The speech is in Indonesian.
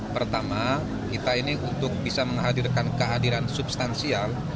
pertama kita ini untuk bisa menghadirkan kehadiran substansial